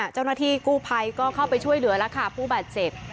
เจ้าหน้าที่กู้ภัยก็เข้าไปช่วยเหลือแล้วค่ะผู้บาดเจ็บ